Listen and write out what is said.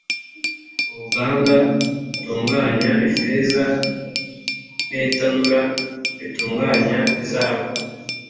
uruganda rutunganya ifeza n’itanura ritunganya izahabu